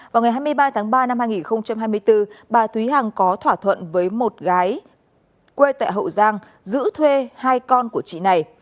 vào ngày hai mươi ba tháng ba năm hai nghìn hai mươi bốn bà thúy hằng có thỏa thuận với một gái quê tại hậu giang giữ thuê hai con của chị này